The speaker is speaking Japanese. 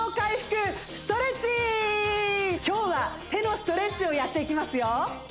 今日は手のストレッチをやっていきますよ